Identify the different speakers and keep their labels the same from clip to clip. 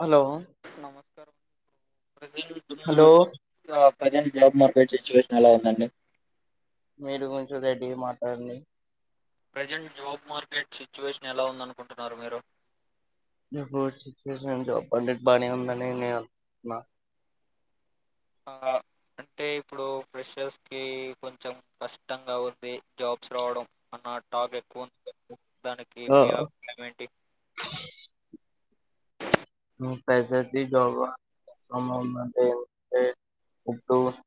Speaker 1: Hello
Speaker 2: నమస్కారం
Speaker 1: hello
Speaker 2: present job market situation ఎలా ఉందండి
Speaker 1: మీరు కొంచెం రెడ్డి గా మాట్లాడండి
Speaker 2: ప్రజెంట్ జాబ్ మార్కెట్ సిచ్యువేషన్ ఎలా ఉందనుకుంటున్నారు మీరు
Speaker 1: ఇప్పుడు సిుచువేషన్ జాబ్ మార్కెట్ బానే ఉందని నేను అనుకుంటున్నా
Speaker 2: ఆ అంటే ఇప్పుడు ప్రెషర్స్ కి కొంచెం కష్టంగా ఉంది జాబ్స్ రావడం అన్న టాక్ ఎక్కువ ఉంది దానికి
Speaker 1: ఆ
Speaker 2: మీ అభి ప్రాయం ఏంటి
Speaker 1: పైస జబమట [unintelligible]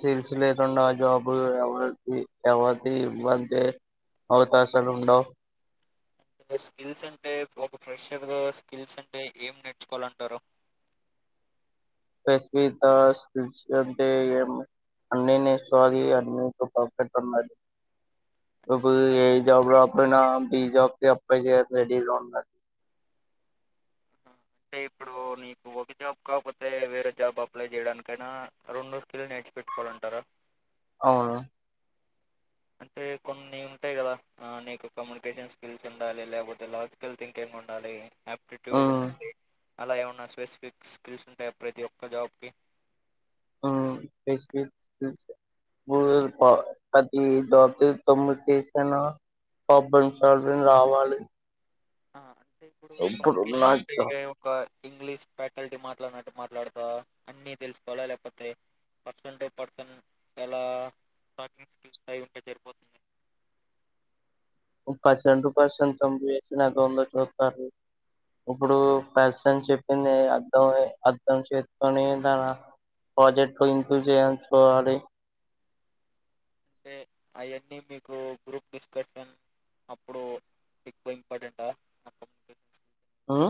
Speaker 1: చిల్స్ లేదున్నా జాబు ఎవరి ఎవతి ఇ మంతే [unintelligible] అవకాశాలుండవు
Speaker 2: స్కిల్స్ అంటే ఒక ఫ్రెషర్ గా స్కిల్స్ అంటే ఏం నేర్చుకోవాలంటారు
Speaker 1: టేస్కిత స్కిల్స్ ఉంటే ఏమి అన్ని నేర్చుకోవాలి అన్నిట్లో పర్ఫెక్ట్ ఉండాలి ఇప్పుడు ఏ జాబ్ రాక పోయినా బి జాబ్ కి అప్లై చేయడానికి రెడీగా ఉండా
Speaker 2: అంటే ఇప్పుడు నీకు ఒ కే జాబ్ కాకపోతే వేరే జాబ్ అప్లై చేయడానికైనా రెండో స్కిల్ నేర్చి పెట్టుకునుంటరా
Speaker 1: అవును
Speaker 2: అంటే కొన్ని ఉంటాయి కదా ఆ నీకు కమ్యూనికేషన్ స్కిల్స్ ఉండాలి లేకపోతే లాజికల్ థింకింగ్ ఉండాలి ఆప్టిట్యూడ్
Speaker 1: ఉమ్.
Speaker 2: ఉంటే అలా ఏమన్నా స్పెసిఫిక్ స్కిల్స్ ఉంటాయ ప్రతి ఒక్క జాబ్‌కి
Speaker 1: హ్మ్ టేస్కిత్ ఉంటే [unintelligible] చేశాను ప్రాబ్లమ్ సాల్వింగ్ రావాలి
Speaker 2: ఆ అంటే ఇప్పుడు కమ్యూనికేషన్ ఎంట్రే ఒక ఇంగ్లీష్ ఫ్యాకల్టీ మా ట్లాడిన్నట్టు మాట్లాడతా అన్ని తెలుసుకోవాలా లేకపోతే పర్సన్ టూ పర్సన్ ఎలా టాకింగ్ స్కిల్స్ అయి ఉంటే సరిపోతుందా
Speaker 1: పర్సన్ టు పర్సన్ కమ్యూనికేషన్ అట్లందే ఎట్లొత్తారు ఇప్పుడు పర్సన్ చెప్పింది అర్ధంమై అర్ధం చేసుకొని తన ప్రాజెక్టులో ఎంట్రీ చెయ్ అంటారు కదా అది
Speaker 2: అంటే అయన్నీ మీకు గ్రూప్ డిస్కషన్ అప్పుడు ఎక్కువ ఇంపార్టెంట్ ఆ
Speaker 1: మ్మ్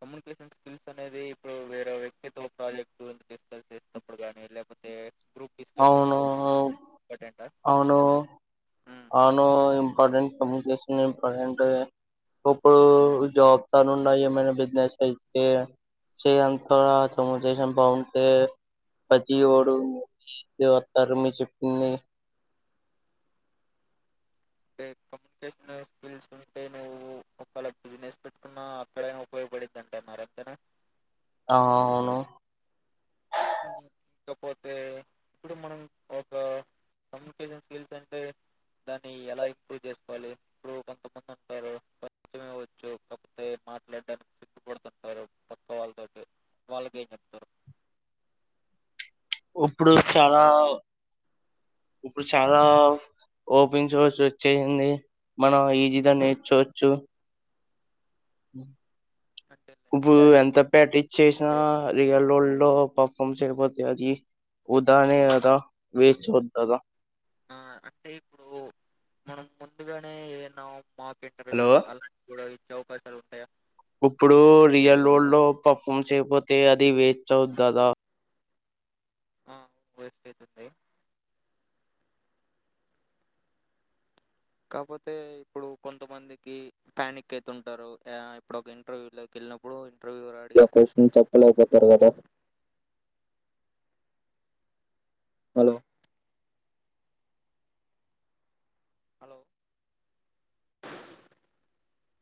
Speaker 2: కమ్యూనికేషన్ స్కిల్స్ అనేది ఇప్పుడు వేరే వ్యక్తితో ఒక ప్రాజెక్టు గురించి డిస్కస్ చేసేటప్పుడు కానీ లేక్పోతే
Speaker 1: అవును
Speaker 2: ఇంపార్టెంటా
Speaker 1: అవును అవును ఇంపార్టెంట్ కమ్యూనికేషన్ ఇంపార్టెంటే ఇప్పుడు జాబ్స్ అని ఉన్న ఏమైనా బిజినెస్ అయితే సేయంత కమ్యూనికేషన్ బాగుంటే పతివోడు మీకే వత్తారు మీరు చెప్పింది
Speaker 2: అంటే కమ్యూనికేషన్ స్కిల్స్ ఉంటే నువ్వు ఒకేలా బిజినెస్ పెట్టుకున్న అక్కడైనా ఉపయోగపడిదంటున్నారు అంతేనా
Speaker 1: ఆ అవును
Speaker 2: అవును ఇకపోతే ఇప్పుడు మనం ఒక కమ్యూనికేషన్ స్కిల్స్ అంటే దాన్ని ఎలా ఇంప్రూవ్ చేసుకోవాలి ఇప్పుడు కొంతమంది ఉంటారు కొంచమే వచ్చు కాకపోతే మాట్లాడడానికి సిగ్గుపడుతుంటారు పక్క వాళ్ళతోటి వాళ్ళకి ఏం చెప్తారు
Speaker 1: ఇప్పుడు చాలా ఇప్పుడు చాలా ఓపెన్ సోర్స్ వచ్చేసింది మనం ఈజిద నేర్చోవచ్చు
Speaker 2: అంటే లైక్
Speaker 1: ఇప్పుడు
Speaker 2: చాట్
Speaker 1: ఎంత పాక్టీస్ చేసిన రియల్ వరల్డ్ లో పర్ఫామ్ చేయపోతే అది ఉదానేే అదా వేస్ వదదా
Speaker 2: ఆ అంటే ఇప్పుడు మనం ముందుగానే ఏన్నా మా
Speaker 1: హలో
Speaker 2: అవకాశాలు ఉంటాయా
Speaker 1: ఇప్పుడు రియల్ వల్డ్‌లో పర్ఫార్మ్ చేయకపోతే అది వేస్ట్ అవుదదా
Speaker 2: ఆ వేస్ట్ అయితుంది కాక్పోతే ఇప్పుడు కొంతమందికి ప్యానిక్ అయితుంటారు ఇప్పుడు ఒక ఇంటర్వ్యూ‌లోకే ళ్ళినప్పుడు ఇంటర్వ్యూఆర్ అడిగే క్వశ్చన్ చెప్పలేపోతారు కదా హలో హలో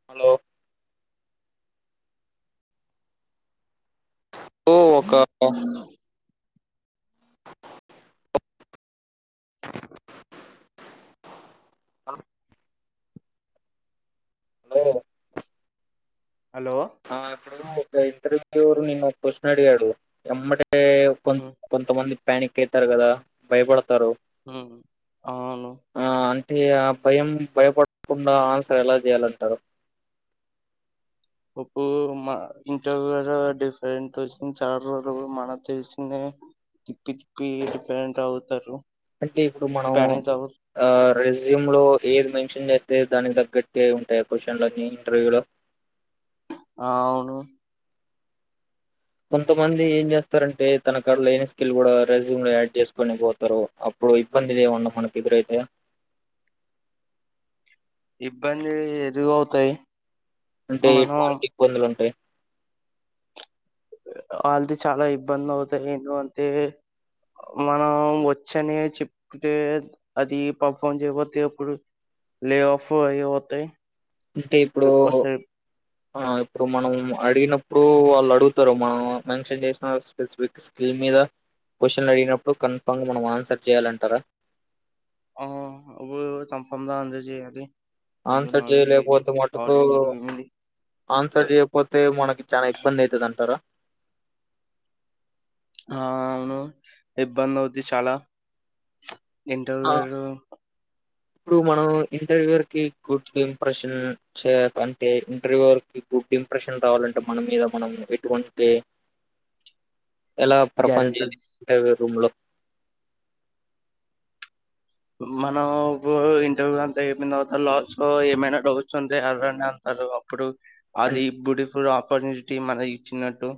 Speaker 2: హలో ఓ ఒక అ హలో
Speaker 1: హలో
Speaker 2: ఆ ఇప్పుడు ఒక ఇంటర్వ్యూవోర్ నిన్న ఒక క్యూషన్ అడిగాడు ఎమ్మడ ఎ కొంత
Speaker 1: హ్మ్.
Speaker 2: కొంతమంది ప్యానిక్ అయితారు కదా భయపడ
Speaker 1: హమ్ అవును
Speaker 2: ఆ! అంటే ఆ భయం భయపడకుండా ఆన్సర్ ఎలా చేయాలంటారు
Speaker 1: ఇప్పు మా ఇంటర్వ్యూయర్ డిఫరెంట్ క్యూస్షన్ అడగాడు మనక తెలిసిందే తీపి తీపి డిఫెరెంట్ అవుతారు
Speaker 2: అంటే ఇప్పుడు మనం
Speaker 1: ప్యానిక్ అవ
Speaker 2: ఆ రెజ్యూమ్ లో ఏజ్ మెన్షన్ చేస్త అంటే దానికి తగ్గట్టి అయి ఉంటాయి క్వశ్చన్ లో ఇంటర్వ్యూ లో
Speaker 1: ఆ అవును
Speaker 2: కొంతమంది ఏం చేస్తారంటే తన కడలో లేని స్కిల్ కూడా రెజూమ్ లో యాడ్ చేసుకుని పోతారు అప్పుడు ఇప్పుడు ఇబ్బందిద ఉన్న మనకు ఎదురైతే
Speaker 1: ఇబ్బంది ఎదుగవుతాయి
Speaker 2: అంటే పాలట్ ఇబ్బందులు ఉంటాయి
Speaker 1: వాళ్ళది చాలా ఇబ్బంది అవుతాయి ఎందు అంటే మనం వచ్చనే చెప్తే అది పర్ఫార్మ్ చేయపోతే ఇప్పుడు లే ఆఫ్యితే
Speaker 2: అంటే ఇప్పుడు ఆ ఇప్పుడు మనం అడిగినప్పు ఇప్పుడు వాళ్ళు అడుగుతారు మనం మెన్షన్ చేసిన స్పఫిక్ స్కల్ మీద క్వశ్చన్ అడిగినప్పుడు కన్ఫామ్ గా మనం ఆన్సర్ చేయాలంటారా
Speaker 1: ఆ అ సంఫమ్ దా అంద చేయాలి రెండు
Speaker 2: ఆన్సర్
Speaker 1: నాలుగు ఐదు
Speaker 2: చేయలేకపోతే మటుకు
Speaker 1: ఆరు ఏడు ఎనిమిది
Speaker 2: ఆన్సర్ చేయపోతే మనకి చాలా ఇబ్బంది అవుతుది అంటారా
Speaker 1: ఆ అవును ఇబ్బంది అవుది చాలా
Speaker 2: ఆ
Speaker 1: ఇంట్యూరు
Speaker 2: ఇప్పుడు మనం ఇంటర్వ్యూ కి గుడ్ ఇంప్రెషన్ అంటే ఇంటర్వ్యూ గుడ్ ఇంప్రెషన్ రావాలంటే మన మీద మనం ఎటువంటి ఎలా పర్ఫార్న్
Speaker 1: జాగ్రత్త
Speaker 2: చేయి రూమ్ లో
Speaker 1: మనం ఇంటర్వ్యూ అంతా ఏమిన తర్వాత లాస్ ఏమైనా డౌట్స్ ఉంది ఎరని అంత అప్పుడు
Speaker 2: అం
Speaker 1: అది బ్యూటిఫుల్ ఆపర్చునిటీ మనకి ఇచ్చన్నట్టు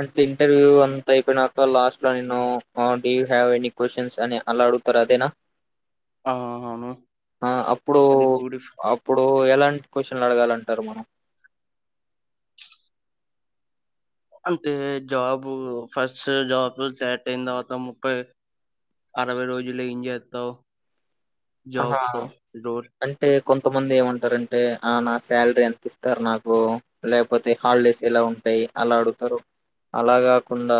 Speaker 2: అంటే ఇంటర్వ్యూ అంత అయిపోయినాక లాస్ట్ లో నేను డడి హవ్ ఎనీ క్వశ్చన్స్ అని అలా అడుగతర్ అదేనా
Speaker 1: ఆ! అవును.
Speaker 2: ఆ అప్పుడు
Speaker 1: అది బ్యూటిఫ్
Speaker 2: అప్పుడు ఎలా క్యూషన్లు అడగాలంటారు మనం
Speaker 1: అంతే జాబు ఫస్ట్ జాబ్ సెట్ అయిన తర్వాత ముఫై ఆబ రోజు ఇంజయాత్త జబ్
Speaker 2: ఆహా
Speaker 1: ఫ రో
Speaker 2: అంటే కొంతమంది ఏమంటారు అంటే ఆ నా శాలరీ ఎంత ఇస్తారు నాకు లే కాకపోతే హాలిడేస్ ఎలా ఉంటాయి అలా అడుతారు అలా కాకుండా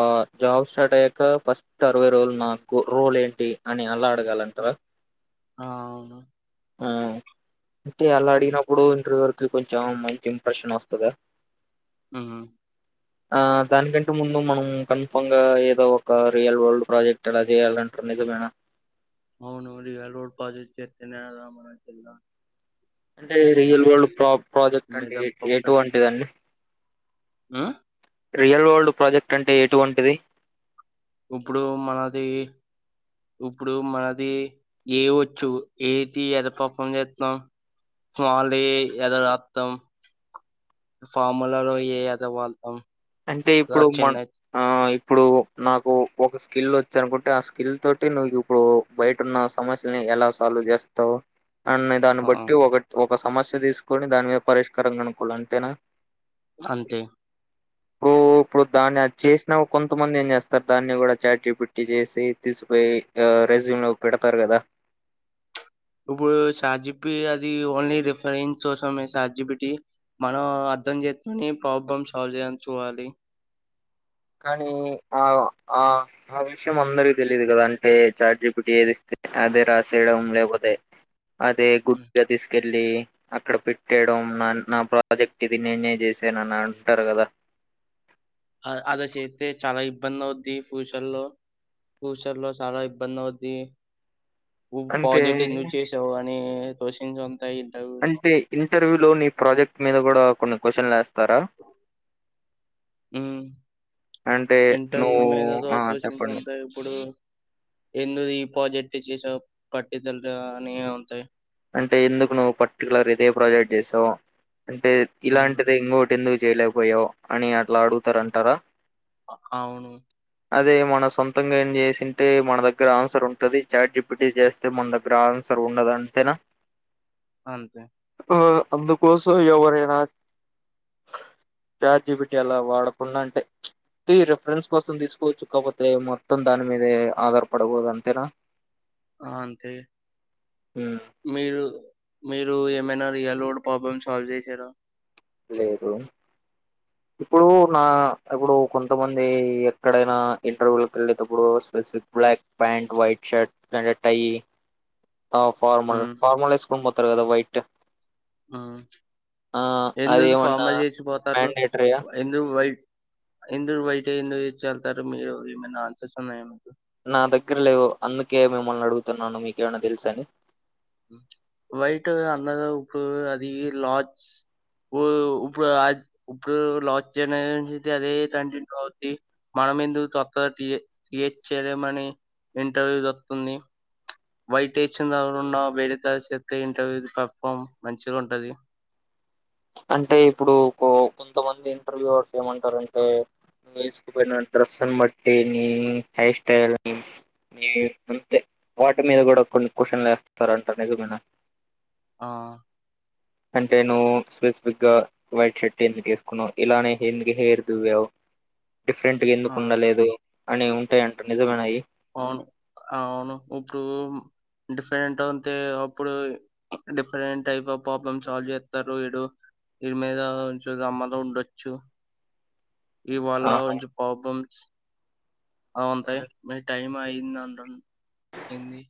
Speaker 2: ఆ జాబ్ స్టార్ట్ అయ్యాక ఫస్ట్ అరవై రోజులు నాకు రోల్ ఏంటి అని అల్లా అడగాలంటారా
Speaker 1: ఆ
Speaker 2: ఆ అంటే అలా
Speaker 1: హ్మ్.
Speaker 2: అడిగినప్పుడు ఇంటర్వ్యూ వరకు కొంచెం మంచి ఇంప్రెషన్ వస్తుందా
Speaker 1: ఆ
Speaker 2: ఆ దానికంటే ముందు మనం కన్ఫమ్ గా ఏదో ఒక రియల్ వరల్డ్ ప్రాజెక్ట్ ఎలా చేయాలంట నిజమేనా
Speaker 1: అవును డిపాజిట్ పజచ్చ చేతేనేమలా
Speaker 2: అంటే రియల్ వరల్డ్ ప్ర ప్రాజెక్ట్ అంటే ఎటువంటిదండి
Speaker 1: నా
Speaker 2: రియల్ వరల్డ్ ప్రాజెక్ట్ అంటే ఎటువంటిది
Speaker 1: ఇప్పుడు మనది ఇప్పుడు మాది ఏ వచ్చు ఏతి ఎర్ర పప్పం చేత్తాం వాళ్ళే ఏద రాత్తం ఫార్ములా గా ఏ అదా వాళ్తాం
Speaker 2: అంటే ఇప్పుడు మా
Speaker 1: చిన్న
Speaker 2: ఆ ఇప్పుడు నాకు ఒక స్కిల్ వచ్చు అనుకుంటే ఆ స్కిల్ తోటి నువ్వు ఇప్పుడు బయటన్న సమస్యని ఎలా సాల్వ్ జేస్తావ్ అన్నా దాన్నే
Speaker 1: ఆ
Speaker 2: బట్టి ఒకటి ఒక సమస్య తీసుకొని దాని మీద పరిష్కారం కొనుక్కోవాలి అంతేనా
Speaker 1: అంతే
Speaker 2: ఓ ఉప్పుడు దాన్ని అది చేసినా కొంతమంది ఏం చేస్తారు దాన్ని కూడా చాట్ జిపిటి చేసి తీసిపోయి అ రెజ్యూమ్ లో పెడతారు కదా
Speaker 1: ఇప్పుడు సార్ జిప్పి అది ఓన్లీ రిఫరెన్స్ కోసమే చాట్ జి పి టి మనం అర్ధం చేసుకొని ప్రాబ్లమ్ సాల్వ్ చేయం చూడాలి
Speaker 2: కానీ ఆ ఆ ఆ విషయం అందరికి తెలియదు కదా అంటే చాట్ జి పి టి ఏది ఇస్తే అదే రాసేయడం లేకపోతే అదే
Speaker 1: ఉమ్.
Speaker 2: గుడ్డగా తీసుకెళ్ళి అక్కడ పెట్టేయడం నా నా ప్రాజెక్ట్ ఇది నేనే చేసాను అని అంటారు కదా
Speaker 1: ఆ అదా చేతే చాలా ఇబ్బంది అవుద్ది ఫ్యూచర్లో ఫ్యూచర్లో చాలా ఇబ్బంది అవుద్ది ఉ
Speaker 2: అంటే
Speaker 1: పాజెట్ ఎందుకు చేసావ్ అని తోషన్
Speaker 2: అంటే ఇంటర్వ్యూలోని ప్రాజెక్ట్ మీద కూడా కొన్ని క్యూషన్లు వేస్తారా
Speaker 1: హ్మ్మ్
Speaker 2: అంటే
Speaker 1: ఇంటర్వ్యూ
Speaker 2: నువ్వు
Speaker 1: మీద కూడా
Speaker 2: ఆ
Speaker 1: క్యూషన్స్
Speaker 2: చెప్పండి
Speaker 1: ఉంటాయి ఇప్పుడు ఎందుదు ఈ ప్రాజెక్ట్ చేసావ్ పటిదల్ గా అని అంటే
Speaker 2: అంటే ఎందుకు నువ్వు పర్టికులర్ ఇదే ప్రాజెక్ట్ చేసావ్ అంటే
Speaker 1: హ్మ్.
Speaker 2: ఇలాంటిదే ఇంకోటి ఎందుకు జేయ్యాలాకు పోయావ్ అని అట్లా అడుగుతారంటరా
Speaker 1: ఆ అవును
Speaker 2: అదే మన సొంతంగా ఏం చేసింటే మన దగ్గర ఆన్సర్ ఉంటుది చాట్ జి పి టి చేస్తే మన దగ్గర ఆన్స్ తరువ్ వుండదు అంతే నా
Speaker 1: అంతే
Speaker 2: ఆ అందుకోసం ఎవరైనా చాట్ జి పి టి అలా వాడ కుండా అంటే ఉచ్ థీ రేఫరెన్స్ కోసం తీసుకోవచ్చు కాకపోతే మొత్తం దాని మీదే ఆధారపడకూడదు అంతేనా
Speaker 1: ఆ అంతే
Speaker 2: హ్మ్
Speaker 1: మీరు మీరు ఏమి అయినా రియల్ వరల్డ్ ప్రాబ్లం సాల్వ్ చేశారా
Speaker 2: లేదు ఇప్పుడు నా ఇప్పుడు కొంతమంది ఎక్కడైనా ఇంటర్వ్యూలకు వెళ్ళేతప్పుడు ప్లస్ సి black pant white shirt and tie ఆ ఫార్మల్
Speaker 1: హ్మ్.
Speaker 2: ఫార్మల్ వేసుకొని పోతారు కథ వైట్
Speaker 1: ఆ
Speaker 2: ఆ
Speaker 1: ఎందుదు
Speaker 2: అదేమన్నా
Speaker 1: ఫార్మల్ చేసిపోతారు
Speaker 2: మ్యాండేటరీయా
Speaker 1: ఎందుకు వై ఎందుదు వైట్ ఐ ఎందుదు వెచ్చుకెళ్తారు మీరు ఏమి అన్న ఆన్సర్స్ ఉన్నాయా మీకు
Speaker 2: నా దగ్గర లేవు అందుకే మిమ్మల్ని అడుగుతున్నాను మీకేమైనా తెలుసా అని
Speaker 1: వైట్ ఉ అన్నావ్ గా ఉప్పుడు అది లార్జ్ ఉ ఉప్పుడు అది ఉప్పుడు అస్ లాస్ట్ జనరేషన్ అదే కంటిన్యూ అవ్వుది మన తమ ఎందుకు తొత్త టి టిహెచ్ చేయలేమని ఇంటర్వ్యూ వొస్తుంది వైట్ ఏసింది ఎవరు ఉన్నా వేడి త చేప్తే ఇంటర్వ్యూ పెర్ఫామ్ మంచిగా ఉంటది
Speaker 2: అంటే ఇప్పుడు కో కొంతమంది ఇంటర్వ్యూయర్స్ ఏమంటారు అంటే వేసుకు పోయిన డ్రెస్ నీ బట్టి నీ హెయిర్స్టైల్ అని ని అంతే వాటి మీద కూడా కొన్ని క్వశ్చన్లు వేస్తస్తార అంటారు నిజైన
Speaker 1: ఆ
Speaker 2: అంటేను స్విస్ బిగ్గా వైట్ షర్ట్ ఎందుకు వేసుకున్నావు ఇలానే ఎింది హెయిర్ దువ్వావు డిఫరెంట్ గా
Speaker 1: ఆ,
Speaker 2: ఎందుకు ఉండలేదు అని ఉంటాయిడి
Speaker 1: అవును అవును ఇప్పుడు డిఫరెంట్ అంటే అప్పుడు different type of problem solve చేస్తారు వడు వీరి మీద చూమ్మతో ఉండొచ్చు ఇవాళ్ళ
Speaker 2: ఆహా
Speaker 1: కొంచె ప్రాబ్లమ్స్
Speaker 2: సరే
Speaker 1: అవుంతాయి మీ టైం అయింది అందం ఏంది